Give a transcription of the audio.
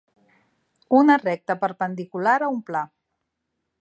Una recta perpendicular a un pla.